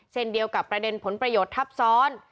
เช่นเดียวกับประเด็นผลประโยชน์ทับซ้อน